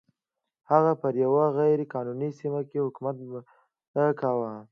هغه پر یوې غیر قانوني سیمه کې حکومت کاوه.